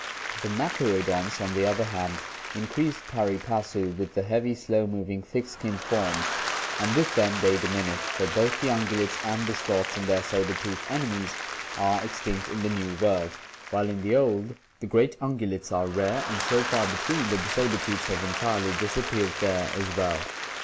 The machaerodonts, on the other hand, increased pari passu with the heavy, slow moving, thick skinned forms and with them they diminished, for both the ungulates and the sloths and their saber tooth enemies are extinct in the New World, while in the Old the great ungulates are rare and so far between that the saber tooths have entirely disappeared4here as well.